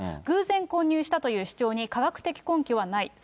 偶然混入したという主張に科学的根拠はない。